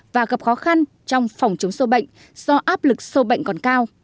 và gặp khó khăn trong phòng chống sâu bệnh do áp lực sâu bệnh còn cao